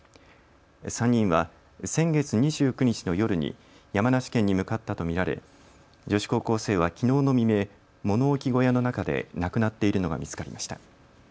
３人は先月２９日の夜に山梨県に向かったと見られ女子高校生はきのうの未明、物置小屋の中で亡くなっているのが見つかりました。